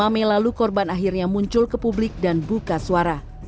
dua puluh mei lalu korban akhirnya muncul ke publik dan buka suara